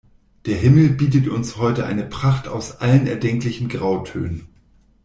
Der Himmel bietet uns heute eine Pracht aus allen erdenklichen Grautönen.